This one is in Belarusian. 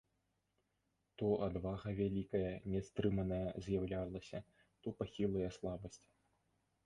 То адвага вялікая, нястрыманая з'яўлялася, то пахілая слабасць.